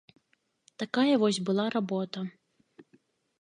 Такая вось была работа.